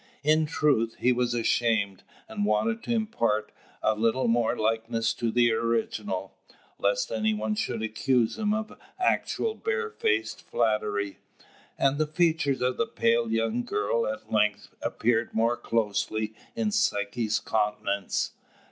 In truth, he was ashamed, and wanted to impart a little more likeness to the original, lest any one should accuse him of actual barefaced flattery. And the features of the pale young girl at length appeared more closely in Psyche's countenance.